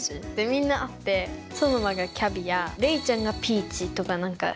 みんなあってソノマがキャビアレイちゃんがピーチとかなんか。